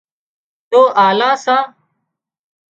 تو آلان سان